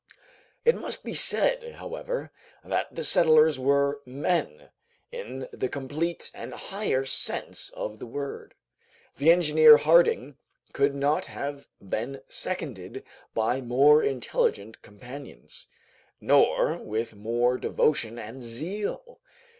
It must be said, however, that the settlers were "men" in the complete and higher sense of the word. The engineer Harding could not have been seconded by more intelligent companions, nor with more devotion and zeal.